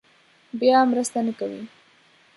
بیا مرسته نه کوي.